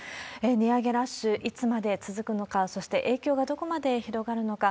値上げラッシュ、いつまで続くのか、そして影響がどこまで広がるのか。